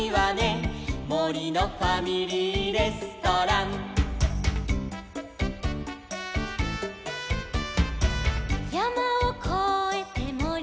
「もりのファミリーレストラン」「やまをこえてもりのおく」